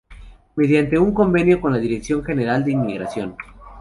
Mediante un convenio con la Dirección General de Inmigración.